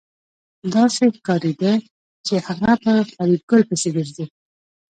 داسې ښکارېده چې هغه په فریدګل پسې ګرځي